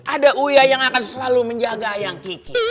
ada uya yang akan selalu menjaga yang kiki